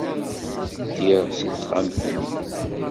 Ddiɣ seg texxamt-nni.